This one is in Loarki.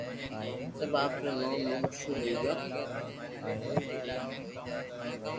سب آپري نوم مون مݾھور ھوئي گيو